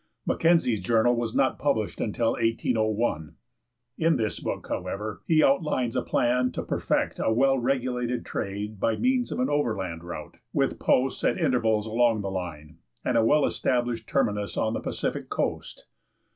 Mackenzie's journal was not published till 1801. In this book, however, he outlines a plan to perfect a well regulated trade by means of an overland route, with posts at intervals along the line, and a well established terminus on the Pacific Coast.